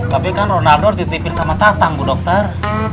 tapi kan ronaldo dititipin sama tatang bu dokter